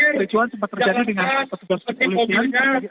kericuan sempat terjadi dengan petugas kepolisian